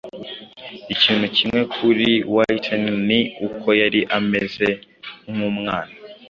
Ikintu kimwe kuri Whitney ni uko yari ameze nk'umwana